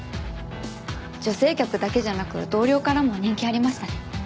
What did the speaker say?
女性客だけじゃなく同僚からも人気ありましたね。